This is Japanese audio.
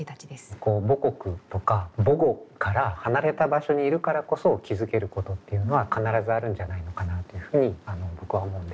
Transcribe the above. こう母国とか母語から離れた場所にいるからこそ気付けることっていうのは必ずあるんじゃないのかなっていうふうに僕は思うんです。